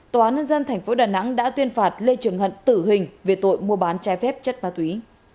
tòa nhân dân thành phố đà nẵng đã tuyên phạt lê trường hận tử hình về tội mua bán trái phép chất ma túy